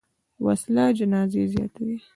وسله جنازې زیاتوي